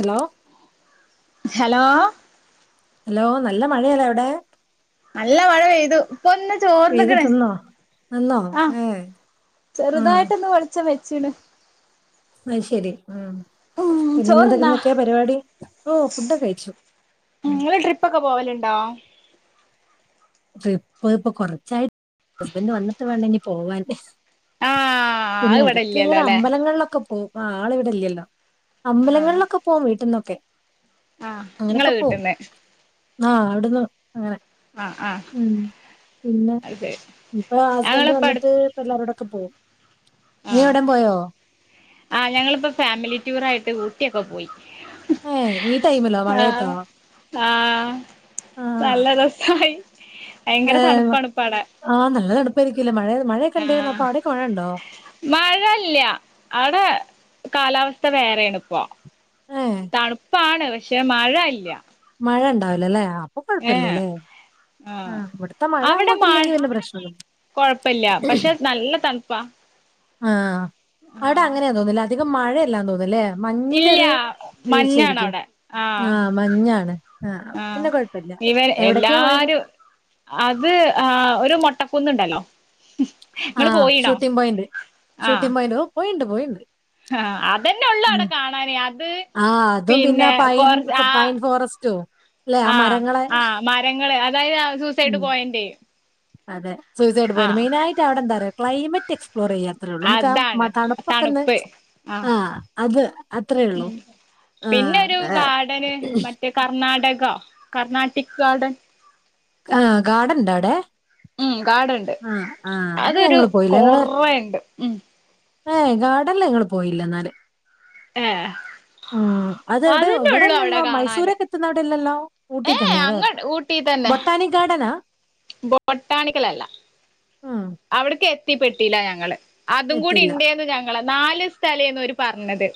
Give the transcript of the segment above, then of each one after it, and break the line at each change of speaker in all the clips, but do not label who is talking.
Hello
hello
hello നല്ല മഴയല്ലോ അവിടെ?
നല്ല മഴ പെയ്തു ഇപ്പൊ ഒന്ന് ചോർന്ന്ക്ക് ണ്
പെയ്തിട്ടുന്നോ നിന്നോ
ആഹ
ഏ ഉം
ചെറുതായിട്ടൊന്ന് വെളിച്ചം വെച്ചി ണ്
അഹ് ശരി മ്
ഉം ചോറ്ന്നാ
പിന്നെന്നന്തൊക്കെയാ പരിപാടി ഓ ഫുഡൊക്കെ കഴിച്ചു.
നിങ്ങള് ട്രിപ്പ് ഒക്കെ പോവലുണ്ടോ
ട്രിപ്പ് ഇപ്പൊ കൊറച്ചായിട്ട് ഹസ്ബന്ഡ് വന്നിട്ട് വേണെങ്കനി പോവാ
ആഹ് അത്
പിന്നെ
ഇവിടെ
ഇടക്ക് ഇങ്ങനെ
ഇല്ലല്ലോല്ലേ
അമ്പലങ്ങളിലൊക്കെ പോകും ആള് ഇവിടെല്ലല്ലോ
ആഹ്
അമ്പലങ്ങളിലൊക്കെ പോവും വീട്ടിൽന്നൊക്കെ
ആഹ് ഇങ്ങളെ
അങ്ങനെയൊക്കെ പോവും.
വീട്ട്ന്ന്
ആഹ അവിടുന്ന് അങ്ങനെ
ആ ആ
ഉം പിന്നെ ഇപ്പൊ ഹസ്ബൻഡ്
ഞങ്ങളിപ്പ അടു
വന്നിട്ട് എല്ലാവരോടൊക്കെ പോവും നീ എവിടം പോയോ?
ആ ഞങ്ങളിപ്പ ഫാമിലി ടൂർ ആയിട്ട് ഊട്ടിയൊക്കെ പോയി.
ഏ ഈ ടൈമിലോ മഴയത്തോ?
ആഹ
ആ
നല്ല രസമായി ഭയങ്കര തണുപ്പാണ് ഇപ്പവട
ആഹ നല്ല തണുപ്പായിരിക്കൊലെ മഴ മഴയൊക്കെ ഉണ്ടായിരുന്നു അപ്പൊ അടേക്ക് മഴയുണ്ടോ?
മഴല്ല അവിടെ കാലാവസ്ഥ വേറെയാണ് ഇപ്പോ
ഏഹ്
തണുപ്പാണ് പക്ഷെ മഴ ഇല്ല
മഴ ഉണ്ടാവൂലല്ലേ അപ്പൊ
ഏ
കൊഴപ്പില്ലലെ
ആ
ആഹ് ഇവിടെത്ത മഴ
അവിടെ മഴ
അങ്ങോട്ടില്ലെങ്കി വല്യ പ്രശ്നള്ളു
കൊഴപ്പില്ല പക്ഷെ നല്ല തണുപ്പാ
ആഹ
ആ
അവിടെ അങ്ങനെയാന്ന് തോന്നുന്നു അധികം മഴയല്ലാ തോന്ന്ന്നൂല്ലോ മഞ്ഞിന്റെ
ഇല്ല
ഒരു വീഴ്ച
മഞ്ഞാണ്
ആയിരിക്കും
അവിടെ ആ
ആഹ മഞ്ഞാണ് ആ പിന്നെ കെഴപ്പല്ല
ഇവർ
എവിടക്കെയാ പോയത്
എല്ലാരും അത് ആ ഒരു മെട്ടക്കുന്നുണ്ടല്ലോ
ആഹ് ഷൂട്ടിങ് പോയിൻ്റ്
ആ
ഷൂട്ടിങ് പോയൻ്റ് പോയിണ്ട് പോയിണ്ട്
ആ അതന്നെ ഉള്ളു
ഉം.
അവിടെ കാണാന്
ആഹ് അതും
പിന്നെ
പൈൻ
കൊറ ആ
പൈൻ ഫോറസ്റ്റും അല്ലെ ആ
ആഹ
മരങ്ങളെ
ആ മരങ്ങള് അതായത് സൂസൈഡ്
ഉം
പോയന്റ്
അതെ സൂയിസൈഡ് പോയിൻ്റ് മെയിനായിട്ട് അവിടെ എന്താ അറിയോ ക്ലൈമറ്റ് എക്സ്പ്ലോർ ചെയ്യ അത്രേ ഉള്ളു നമുക്ക് ആ
അതാണ്
തണുപ്പൊക്കെ ഒന്ന്
തണുപ്പ് ആഹ്
ആ അത് അത്രേ ഉള്ളൂ.
പിന്നെ
ആഹ്
ഒരു ഗാർഡന് മറ്റേ കർണാടക കർണാട്ടിക് ഗാർഡൻ.
ആ് ഗാർഡൻ ഉണ്ട അവിടെ?
ഉം ഗാർഡൻണ്ട്
ആഹ ആഹ അത്
അതൊരു
ഞങ്ങള് പോയില്ല ഞങ്ങള്
കൊറേണ്ട് ഉം
ഏഹ ഗാർഡന്ല് ഞങ്ങള് പോയില്ല എന്നാല്
ഏഹ്
ഉം അത് ഇവിടെ
അതന്നെ ഉള്ളു അവിടെ
ഇവിടെല്ലല്ലോ
കാണാന്
മൈസൂരക്കെ നടല്ലല്ലോ ഊട്ടി
ഏഹ്
തന്നെ അല്ലേ
അങ്ങ ഊട്ടി തന്നെ
ബൊട്ടാനി ഗാർഡനാ
ബൊട്ടാണിക്കല അല്ല
ആ
അവിട്ക്ക് എത്തിപ്പെട്ടില്ല ഞങ്ങള് അതും കൂടി
എത്തിയില്ല
ഇണ്ടേന്ന് ഞ നാല് സ്ഥലേന്നു ഓര് പറഞ്ഞത്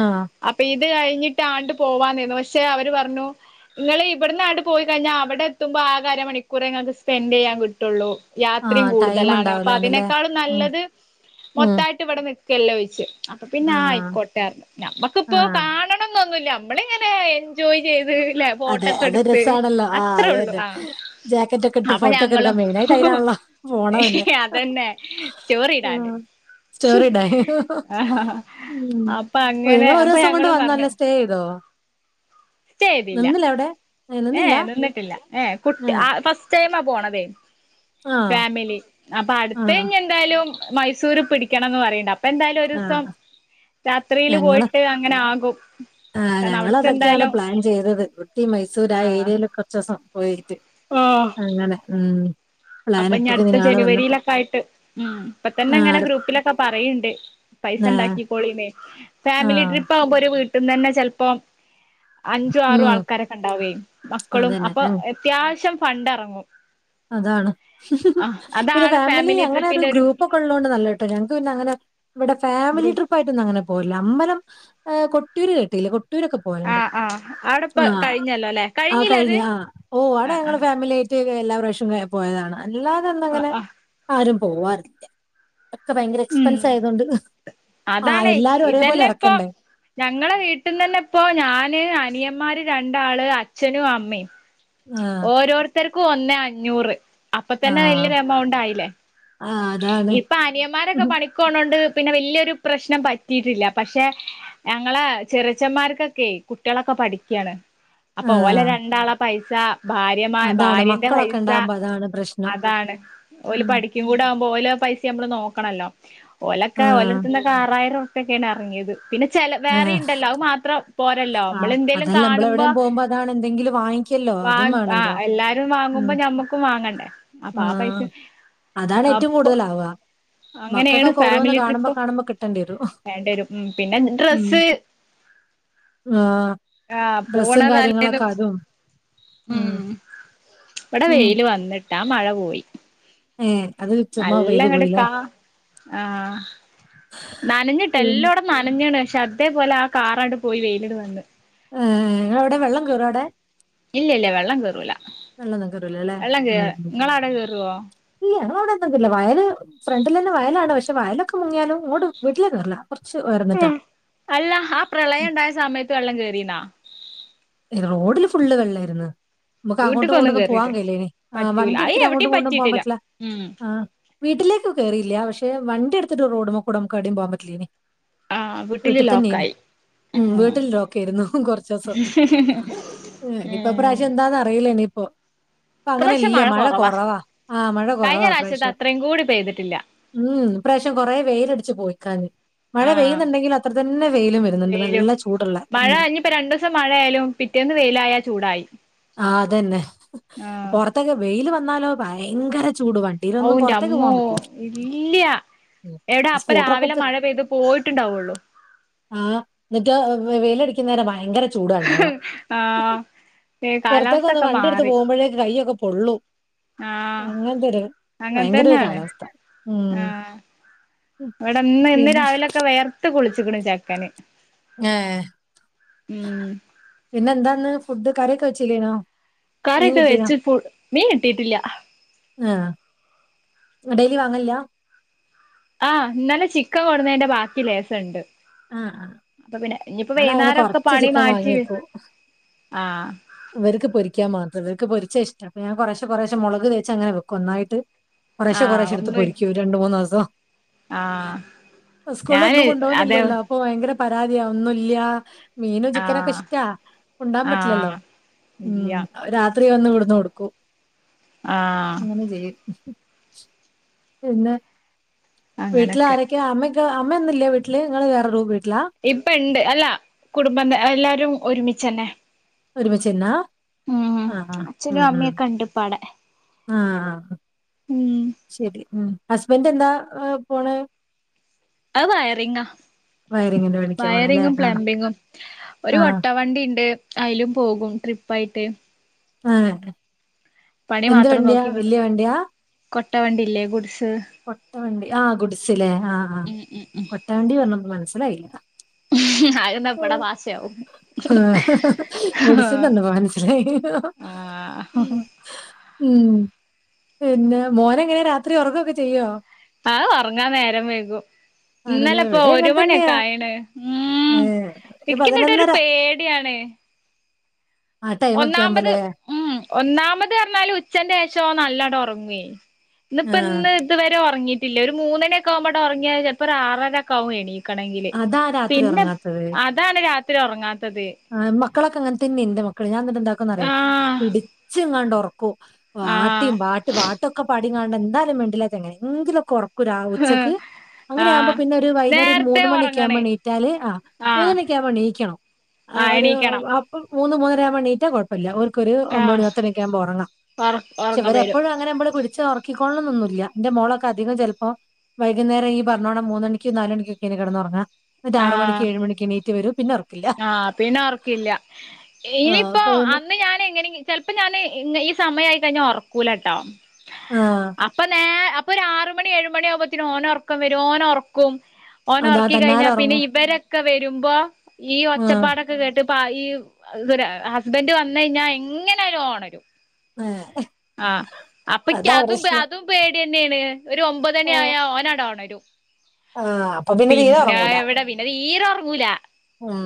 ആഹ്
അപ്പിത് ത് കഴിഞ്ഞിട്ട് ആണ്ട് പോവാന്നിന്നു പക്ഷെ അവര് പറഞ്ഞു ങ്ങള് ഇപട്ന്നാണ്ട് പോയി കഴിഞ്ഞാൽ അവിടെ എത്തുമ്പോൾ ആകെ അരമണിക്കൂറെങ്ങൾക്ക് സ്പെൻഡ്യ്യാൻ കിട്ടള്ളൂ. യാത്രയും
ആഹ് ടൈം
കൂടുതലാണ് അപ്പൊ
ഉണ്ടാവൂലാന്നല്ലേ
അതിനെക്കാളും
ഉം
നല്ലത്
ഉം
മൊത്തയ്ട്ട ട്ട് വ്ടെ നിക്കല്ലോഴിച്ച് അപ്പൊ പിന്നെ ആ
ആഹ്
ആയിക്കോട്ടെർഞ് ഞമ്മക്കിപ്പോ
ആഹ്
കാണണോന്നൊന്നുല്ല. മ്മളിങ്ങനെ എൻജോയ് ചെയ്ത്
അതെ അത്
ഫോട്ടൊക്കെടുത്ത്
രസാണല്ലോ ആഹ് അത്
അത്രേള്ളു
തന്നെ
ആ
ജാക്കറ്റ് ഒക്കെ ഇട്ട്
അപ്പൊ
ഫോട്ടോ ഒക്കെ
ഞങ്ങളും
എടുക്കാൻ മെയിനായിട്ട് അതിനാണല്ലോ പോണത്
ഏഹ്
തന്നെ
അതെന്നെ സ്റ്റോറിടാണ്ട്.
ഉം സ്റ്റോറി ഇടാൻ
ആഹ്
ഉം
അപ്പൊ
ഓ
അങ്ങനെ
നിങ്ങൾ ഒരു
അപ്പൊ
ദിവസം കൊണ്ട്
ഞങ്ങള് പറഞ്ഞു.
വന്നല്ലേ സ്റ്റേ ചെയ്തോ
സ്റ്റേയ്തില്ല
നിന്നില്ല അവിടെ ഏ, നിന്നില്ല
ഏഹ്എ നിന്നിട്ടില്ല ഏ കുട്ടി ആ ഫസ്റ്റ് ടൈം ആ പോണതേ.
ആ
ഫാമിലി അപ്പൊ
ആ
അടുത്തെ ഞ്ഞെന്തായാലും മൈസൂര് പിടിക്കണംന്ന് പറയ അപ് പ്പൊന്തായാലും
ആ
ഒരുസം രാത്രിയില്
ഞങ്ങള്
പോയിട്ട് അങ്ങനെ ആകും.
ആ
കാരണം അവിടക്ക്
ഞങ്ങൾതൊക്കെയാണ്
എന്തായാലും
പ്ലാൻ ചെയ്തത് കുട്ടി മൈസൂർ ആ ഏരിയയിൽ കൊർച്ചോസം പോയിട്
ആഹ്
അങ്ങനെ ഉം പ്ലാൻ
അപ്പൊ ഇനി
ഇട്ടിട്ട്
അടുത്ത
ഇയാള് വന്നിട്ട്
ജനുവരിയിലൊക്കെ ആയിട്ട് ഉം ഇപ്പൊ തന്നെ
ആ
ഇങ്ങനെ
അടുത്ത
ഗ്രൂപ്പിലൊക്കെ പറിയിണ്ട് പൈസ
ആ
ണ്ടാക്കിക്കോളീന്ന്
ആ,
ഫാമിലി ട്രിപ്പവുമ്പോ ഒര് വീട്ടിന്ന്ന്നെ ചെൽപ്പോം അഞ്ചു ആറും
ഉം
ആൾക്കാരൊക്കെണ്ടാവേ മക്കളും
അതന്നെ
അപ്പൊ
ഉം,
എത്യാവശ്യം ഫണ്ട് എറങ്ങും.
അതാണ്. പിന്നെ ഫാമിലി അങ്ങനെ ഒരു ഗ്രൂപ്പ് ഒക്കെ ഉള്ളോണ്ട് നല്ലട്ടോ ഞങ്ങക്ക് പിന്നെ അങ്ങനെ ഇവിടെ ഫാമിലി
ഗ്രൂപ്പ്
ട്രിപ്പ് പായിട്ടൊന്നും അങ്ങെനെ പോവെല്ല അമ്പലം കൊട്ടീയൂര് കേട്ടില്ലേ കൊട്ടൂരൊക്കെ പോലെണ്ട്
ആഹ് ആഹ് അവിടെപ്പ
ആഹ്
കഴിഞ്ഞല്ലോ അല്ലെ
ആ
കഴിഞ്ഞില്ലേ അത്
കഴിഞ്ഞ ആ ഓ അടെ
ആഹ്
ഞങ്ങള്
ആഹ്
ഫാമിലി ആയ് ട്ടിയൊക്കെ എല്ലാ പ്രാവശ്യം പോയതാണ് അല്ലാതെ അന്ന
ആഹ്
അങ്ങനെ
ആഹ്
ആരും പോവാറില്ല. ഒക്കെ ഭയങ്കര
ഉം
എക്സ്പെൻസ് ആയതൊണ്ട് ആഹ്
അതാണേ
എല്ലാരും ഒരേപോലെ
ഇതന്നെ ഇപ്പൊ
എറക്കണ്ടേ?
ഞങ്ങളെ വീട്ടിന്ന്ന്നെ ഇപ്പോ ഞാന് അനിയന്മാര് രണ്ടാള് അച്ഛനു അമ്മീ
ആ
ഓരോരുത്തർക്കും ഒന്നേ അഞ്ഞൂറ് അപ്പൊ
ആ
തന്നെ വല്യൊരു എമൗണ്ട് ആയില്ലേ.
ആ അതാണ്
ഇപ്പൊ അനിയന്മാരൊക്കെ പണിിക്കോണോണ്ട് പിന്നെ വെല്ല്യേരു പ്രശ്നം പറ്റിയിട്ടില്ല പക്ഷെ ഞങ്ങളെ ചെറിച്ചന്മാർക്കൊക്കെ കുട്ടികളൊക്കെ പഠിക്യാണ്.
ആ
അപ്പൊ ഓല രണ്ടാളാ പൈസ ഭാര്യമാ
അതാണ്
ഭാര്യന്റെ
മക്കളൊക്കെ
പൈസ
ഉണ്ടാകുമ്പോ അതാണ് പ്രശ്നം
അതാണ് ഓല്
ഉം.
പഠിക്കും കൂടെ ആവുമ്പ ഓലോ പൈസ നമ്മള് നോക്കണല്ലോ
ആ
ഓലെക്കെ ഓലട്ത് നൊക്കെ ആറായിരർപ്യാകെയാണ് എർങ്ങിയത് പിന്നെ ചെല
ആ
വേറിംണ്ടല്ലോ അഹ് മാത്രം. പോരല്ലോ
ആ,
മ്മൾ എന്തേലും
അതല്ല
കാണുമ്പോ
നമ്മളെവിടെയും പോകുമ്പോ അതാണ് എന്തെങ്കിലും വാങ്ങിക്കല്ലോ
വ
അതും
ആ
വേണല്ലോ
എല്ലാരും
ഉം.
വാങ്ങുമ്പോ ഞമ്മക്ക് ക്കും വാങ്ങണ്ടേ അപ്പൊ ആ പൈസ
അതാണ് ഏറ്റവും
അപ്പൊ
കൂടുതലാവാ
അങ്ങനെയാണ്
മക്കക്കൊക്കെ ഓരോന്ന്
ഫാമിലി
കാണുമ്പോ
ട്രിപ്പ്
കാണുമ്പോ കിട്ടേണ്ടിരൂ
വേണ്ടിവരും ഉം പിന്നെ
ഉം
ഡ്രസ്സ്
[inaudible] ആ
ആഹ്
ഡ്രസ്സും
പോണതല്ലേ
കാര്യങ്ങളൊക്കെ അതും
ഉം
ആഹ്
ഇവിടെ വെയില് വന്ന്ട്ടാ മഴ പോയി
ഏ് അത് ചുമ പെയ്ത്
നല്ലങ്ങട്
പോയി
ആഹ് നനഞ്ഞിട്ട്
പിന്നെ
ല്ലോട നനഞ്ണ് ക്ഷെ അതേപോലെ ആ കാറാട് പോയി വെയിലട് വന്ന്.
ഏ്ഹ് ങ്ങളവിടെ വെള്ളം കേറോ അവ്ടെ?
ഇല്യാ ഇല്യാ വെള്ളം കേറൂല
വെള്ളൊന്നും കേറൂല ല്ലേ
വെള്ളം കേർ
ഉം ഉം
ങ്ങളടെ കേറോ?
ഇല്ല ഞങ്ങളെ അവിടെന്നും എത്ഇല്ല വയല് ഫ്രണ്ടിലെന്നെ വയലാണ് പക്ഷെ വയലൊക്കെ മുങ്ങിയാലും ഇങ്ങോട് വീട്ടിലേക്ക് കേറുല്ല കൊർച്ച് ഉയർന്നിട്ടാ
ഉം അല്ല ആ പ്രളയംണ്ടായ സമയത്ത് വെള്ളം കേറീണാ?
റോഡില് ഫുള്ള് വെള്ളെരുന്നു. നമുക്ക് അങ്ങോട്ടും
വീട്ടിക്കൊന്നും
ങ്ങോട്ടൊന്നും പോവാൻ
കേറിട്ട്
കഴയില്ലെനി ആ
പറ്റൂല അത്
വണ്ടിട്ത്ത്ട്ട് അങ്ങോട്ടും
എവിടെയും
ങ്ങോട്ടും പോവാൻ
പറ്റിയിട്ടില്ല
പറ്റ്ല്ല ആ വീട്ടിലേക് കേറീല്ലപക്ഷെ വണ്ടിട്ത്തിട്ട് റോഡുമകൂടെ നമുക് ഏടിം പോവാൻ പറ്റില്ലേനി.
ആഹ് വീട്ടില്
വീട്ടിൽ തന്നെയേനി
ലോക്കായി
ഉം വീട്ടിൽ ലോക്കായിരുന്നു കുറച് ദിവസം
[inaudible] ഉം
ഇപ്രാവശ്യാം എന്താന്നറിയില്ല ഇനി ഇപ്പോ ഇപ്പൊ അങ്ങനെ ഇല്ല മഴ കൊറവാ ആഹ് മഴ
കഴിഞ്ഞ
കൊറവാ
പ്രാവശ്യത്തെ
ഇപ്രാവശ്യം
അത്രയും കൂടി പെയ്തിട്ടില്ല
ഉം ഇപ്രാവശ്യം കൊറെ വെയിലടിച്ച് പോയിക്കാഞ് മഴ
ആഹ്
പെയ്യുന്നുണ്ടെങ്കില് അത്ര തന്നെ വെയിലും വരുന്നുണ്ട് നല്ല ചൂട്ള്ള ഉം
പ്പൊ രണ്ടൂസം മഴയായാലും പിറ്റേന്ന് വെയിലായ ചൂടായി
ആ അതന്നെ
ആഹ്
പൊർത്തൊക്കെ വെയില് വന്നാലോ ഭയങ്കര ചൂടുവാ
ഔ ന്റെ അമ്മോ ഇല്ല്യാ
ഉം
എടാ
ആ
അപ്പ
സ്കൂട്ടറൊക്കെ
രാവിലെ
എടുത്ത്
മഴ പെയ്ത് പോയിട്ടുണ്ടാവൊള്ളു
ആഹ് ന്നട്ട് വെയിലടിക്കുന്നേരം ഭയങ്കര ചൂടാ
ആഹ് ഏ
പുറത്തേക്കൊന്ന്
കാലാവസ്ഥൊക്കെ
വണ്ടി എടുത്ത്
മാറി
പോകുമ്പോഴേക്ക് കയ്യൊക്കെ പൊള്ളും
ആഹ്
അങ്ങനത്തെ ഒരു ഭയങ്കര ഒരു
അങ്ങൻത്തന്നാണ്
കാലാവസ്ഥ. ഉം
ആഹ് ഇവടെ ഇന്ന് ഇന്ന്
പിന്നെ
രാവിലൊക്കെ വെയർത്ത് കുൾച്ക്ക്‌ണ് ചെക്കന്
ങ്ങേ
ഉം
പിന്നെ എന്താന്ന് ഫുഡ് കറിയൊക്കെ വെച്ചില്ലേ നോ
കറിയൊക്കെ വെച്ച് ഫു മീൻ കിട്ടിട്ടില്ല
ആഹ് ഡെയിലി വാങ്ങൽല്ല്യാ
ആ ഇന്നലെ ചിക്കൻ കൊട്ന്നെന്റെ ബാക്കി ലേസണ്ട്
ആഹ് ആഹ്
അപ്പൊ പിന്നെ ഇഞ്ഞിപ്പം
ആടെ അങ്ങനെ
വൈന്നാരൊക്കെ
കൊറച്ച്
പണി
ചിക്കൻ
മാറ്റി
വാങ്ങി
ആഹ്
ഇവര്ക്ക് പൊരിക്കാൻ മാത്രം ഇവര്ക്ക് പൊരിച്ച ഇഷ്ട്ടം അപ്പ ഞാൻ കുറേശ കുറേശ മുളക് തേച്ചങ്ങനെ വെക്കും ഒന്നായിട്ട് കുറേശെ
ആഹ്
കുറേശെ എടുത്ത്
ഒന്ന്
പൊരിക്കും ഒരു രണ്ടു മൂന്ന്സം
ആഹ്
സ്കൂൾല്
ഞാന്
ഒന്നും
അതെ
കൊണ്ടോവൊന്നുല്ലല്ലോ പ്പൊ ഭയങ്കര പരാതിയാ ഒന്നുല്ല്യാ മീനും ചിക്കനൊക്കെ
ആഹ്
ഇഷ്ടാ കൊണ്ടോവാൻ പറ്റില്ലല്ലോ
ആഹ്
ഉം
ഇല്ല
രാത്രി വന്ന് ഇവട്ന്ന് കൊടുക്കും
ആഹ്
അങ്ങനെ ചെയ്യും പിന്നെ വീട്ടില്
അങ്ങനൊക്കെ
ആരക്കെയാ അമ്മ അമ്മ ഒന്നുല്ലേ വീട്ടില് ങ്ങള് വേറോരു വീട്ടിലാ
ഇപ്പ ഇണ്ട് അല്ല കുടുംബ എല്ലാരും ഒരുമിച്ചന്നെ
ഒരുമിചെന്നാ
ഉം
അ അ ഉം
അച്ഛനും
ഉം
അമ്മയൊക്കെ ഇണ്ട്പ്പടെ
ആഹ്
ഉം
ശെരി ഉം ഹസ്ബന്റ് എന്താ പോണെ
അത് വയറിങ്ങ
വയറിങ്ങിന്റെ പണിക്കാ പോണെ അല്ലേ
വയറിങ്ങും
ആ
പ്ലംബിങ്ങും ഒരു
ആ
കൊട്ടവണ്ടി ഇണ്ട് അയിലും പോകും ട്രിപ്പായിട്ട്
ഏ എന്ത് വണ്ടിയാ വല്ല്യ വണ്ടിയാ
കൊട്ട വണ്ടില്ലേ ഗുഡ്സ്
കൊട്ടവണ്ടി ആഹ് ഗുഡ്സ് ലേ ആഹ് ആഹ് കൊട്ടവണ്ടി പർഞ്ഞപ്പോ മൻസ്സിലായില്ല
അത് നമ്മടെ ഭാഷയാവും
ആഹ് ഗൂഡ്സ്ന്ന് പർഞ്ഞപ്പം മൻസ്സിലായി
ആഹ്ഹ്
ഉം പിന്നെ മോനങ്ങനെ രാത്രി ഒറങൊക്കെ ചെയ്യോ
അഒർങ്ങാൻ നേരം വൈകും
ആണല്ലേ
ഇന്നലെ ഒക്കെ
ഇവിടെ
ഒരു
അങ്ങനെ
മണിയൊക്കെ
തന്നെയാ
ആയിണ് ഉം
ഏ, ഒരു
ഇക്കി ന്നട്ടൊരു
പതിനൊന്നര
പേടിയാണ്
ആ ടൈമൊക്കെ
ഒന്നാമത്
ആകുമ്പോലെ
ഉം ഒന്നാമതർഞ്ഞാല് ഉച്ചന്റെഷം ഓൻ നല്ലോണ്ടോർങ്ങെ ഇന്ന്
ആ
ഇപ്പ ഇന്ന് ഇതുവരെ ഒർങ്ങീട്ടില്ല ഒരു മൂന്നണി ഒക്കെ ആവുമ്പാണ്ട് ഒർങ്ങിയ ചെൽപ്പോ ഒരു ആറര ഒക്കാവും എണീ ക്കണങ്കില്
അതാ രാത്രി
പിന്നെ
ഉറങ്ങാത്തത്
അതാണ് രാത്രി ഒറങ്ങാത്തത്
ആഹ് മക്കളൊക്കെ അങ്ങൻ തന്നെ ന്റെ മക്കള് ഞാൻ ന്നട്ട് എന്താക്കുന്നറിയോ
ആഹ്
പിടിച്ച്ങ്ങാണ്ട് ഒർക്കും പാട്ടിം
ആഹ്
പാട്ട് പാട്ടോക്കെ പാടിങ്ങാണ്ട് ന്തായാലും മെണ്ടില്ല എങ്ങനെ എങ്കിലൊക്കെ ഒർക്കും രാ ഉച്ചക്ക് അങ്ങനെയാവുമ്പോ
ആഹ്
പിന്നെ ഒര് വൈന്നേരം ഒര്
നേരത്തെ
മൂന്ന് മണിയോക്കെ ആവുമ്പോ
ഒറങ്ങണേ
ണീറ്റാല് ആ മൂന്ന്
ആഹ്
മണിക്കെ ആവുമ്പോ എണീക്കണം ആ
ആഹ്
ഒരു
എണീക്കണം
അ മൂന്ന് മൂന്നരാവുമ്പോ എണീറ്റ കൊയ് പ്പല്ല ഓര്ക്കൊരു ഒമ്പ മണി
ആഹ്
പത്ത് മണി ഒക്കെ ആവുമ്പോ ഒറങ്ങാം
ഒറ
പക്ഷെ
ഒറങ്ങ വരും
ഇവരെപ്പോഴും അങ്ങനെ മ്മള് പി ച്ച ഒർക്കിക്കോൾണംന്നൊന്നുല്ല ന്റെ മോളൊക്കെ അധികം ചെൽപ്പോം വൈകുന്നേരം ഈ പർഞ്ഞോണം മൂന്നണിക്കും നാലണിക്കോക്കെ കെടന്നൊർങ്ങാ ഒരു ആറ് മണിക്ക്
ആഹ്
ഏഴ് മണക്ക് എണീറ്റ് വരും പിന്നെ ഒറക്കില്ല.
ആഹ് പിന്നെ ഒർക്കില്ല
ആ
ഇനിയിപ്പോ
അപ്പൊ പിന്നെ
അന്ന് ഞാന് എങ്ങനെ ചെലപ്പോ ഞാന് ഈ സമയമായി കഴിഞ്ഞാൽ ഉറക്കൂലട്ടോ.
ആഹ്.
അപ്പൊ നേ അപ്പൊ ഒരു ആറ് മണി ഏഴുമണി ആകുമ്പത്തേനും ഓനോറക്കം വരും ഓനോറക്കും. ഓന
അതാ
ഒറക്കി കഴിഞ്ഞാ
തന്നാലെ
പിന്നെ
ഉറങ്ങും.
ഇവരൊക്കെ വരുമ്പോ ഈ
ആ
ഒച്ചപ്പാട കേട്ട് പ്പാ ഈ ഇ ഹസ്ബൻഡ് വന്ന് കഴിഞ്ഞാൽ എങ്ങനെ ആയാലും ഓൻ ഒണരും. ആഹ് അപ്പൊക്ക്
അതാ
അതും
പ്രശ്നം.
അതും പേടി തന്നെയാണ് ഒരു
ആ
ഒമ്പതണി ആയ ഓനാട ഒണരും.
ആ അപ്പൊ തീരെ
പിന്നെ
ഉറങ്ങൂല.
എവിടെ പിന്നെ തീരെ ഉറങ്ങൂല.
ഉം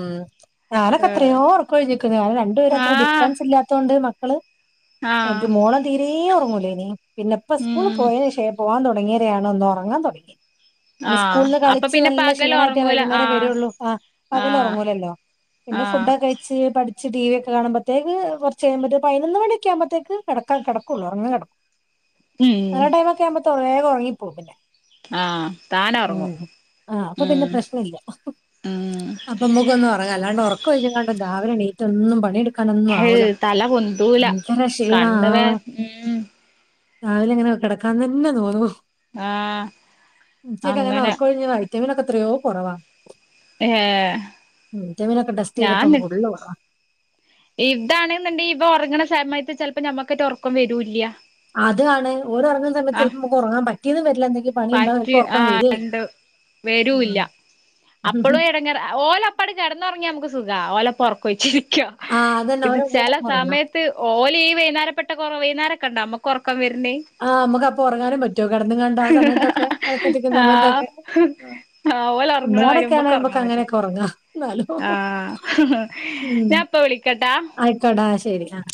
ഞാനൊക്കെ എത്രയോ ഉറക്കോഴിഞ്ഞിക്കുന്നു ഞ രണ്ടുപേര അത്ര ഡിഫറൻസ് ഇല്ലാത്തോൊണ്ട് മക്കള് അത്
ആഹ്
മോളെ തീരേം ഉറങ്ങൂലേനി പിന്നെ ഇപ്പ സ്കൂള്
ഉം
പോയ പോവാൻ തുടങ്ങിയ താണോ ഉറങ്ങാൻ തുടങ്ങി കാരണം
ആഹ്
സ്കൂളന്ന്
അപ്പൊ
കളിച്ച്
പിന്നെ
നല്ല
പകല്
ക്ഷീണ ആയിട്ടേ
ഒറങ്ങൂല
വൈകുന്നേരം
ആഹ്
വരുള്ളു ആഹ്. പകൽ
ആഹ്
ഒറങ്ങൂലല്ലോ പിന്നെ
ആഹ്
ഫുഡോ കഴിച്ച് പഠിച്ച് ടിവി ഒക്കെ കാണുമ്പത്തേക്ക് കുറച്ച് കഴിയുമ്പോ പതിനൊന്ന് മണിയൊക്കെ ആകുമ്പഴത്തേക്ക് കിടക്ക കിടക്കുള്ളൂ ഉറങ്ങി
ഉം
അങ്ങനെ ടൈമ ഒക്കെ ആവുമ്പത്തേ വേഗം ഉറങ്ങിപ്പോകും പിന്നെ.
ആഹ് താനോറങ്ങും
ഉം ആഹ് അപ്പൊ
ഉം
പിന്നെ പ്രശ്നല്ല
ഉം.
അപ്പൊ അമ്മക്ക് ഒന്ന് ഒറങ്ങാ അല്ലാണ്ട് ഒറക്ക ഒഴിഞ്ഞകാണ്ട് രാവിലെ എണീറ്റ ഒന്നും പണിയെടു ക്കാനൊന്നും
ഹയ്
ആവൂല
തല പൊന്തൂല
എന്തൊരു ക്ഷീണ ആ
കണ്ണ് വേ ഉം
രാവിലെ എങ്ങനെ കിടക്കാന്ന് തന്നെ തോന്നു.
ആഹ്
ഉം ഉച്ചക്കങ്ങനെ
അങ്ങനെ
ഒറക്കോഴിഞ്ഞ വൈറ്റമിനൊക്കെ എത്രയോ കുറവാ.
ഏഹ്.
ഉം എന്റെ പിന്നെ ഒക്കെ ടെസ്റ്റ് ചെയ്തപ്പോ ഫുള്ള് കൊറവ.
ഇതാണ്ന്നുണ്ടെങ്കിൽ ഇപ്പ ഒറങ്ങണ സമയത്ത് ചിലപ്പോ നമ്മുക്കായിറ്റ് ഒറക്കം വരൂല്ല്യ.
അതാണ് ഓര് ഒറങ്ങ സമയ ചെലപ്പോ ഉറങ്ങാൻ പറ്റിയന്ന് വരില്ല എന്തെങ്കും പണിയുണ്ടാും
പറ്റ്
ചെലപ്പോ ഉറക്കം
ആഹ്
വരെ
ഉണ്ട്
ആഹ്. ഉഹും.
എപ്പോളും ഇടങ്ങേറ് ഓലപ്പാട് കിടന്നുറങ്ങിയ അമുക്ക് സുഖാ ഓലപ്പ ഒറക്കം ഒയിച്ചിരിക്ക.
ആ അതന്നെ
ഇത്
ഓരെ കൂടെ
ചില
അങ്ങ് ഉറങ്ങാം.
സമയത്ത് ഓലീ വൈന്നേരപ്പെട്ട കൊറ വൈന്നേരക്കിണ്ട നമ്മക്ക് ഒറക്കം വെർണ്.
ആഹ് നമുക്ക് അപ്പ ഒറങ്ങാനും പറ്റുവോ കെടന്ന്ക്കാണ്ട് ആ സമയത്തൊക്കെ വിളക്കത്തിക്കുന്ന
ആഹ്
സമയത്തൊക്കെ.
ആഹ് ഓല് ഉറങ്ങണ മാതിരി
നമ്മളാടക്കെ ആണേ നമ്മക്ക്
ഉറങ്ങാൻ പറ്റൂല
അങ്ങനെയൊക്കെ ഒറങ്ങാ.
ആഹ് ഞാ ഇപ്പ വിളിക്കാട്ട.
തോടാശ്ശരി ആഹ്.